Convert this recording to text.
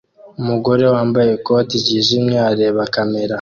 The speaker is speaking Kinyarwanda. Umugore wambaye ikote ryijimye areba kamera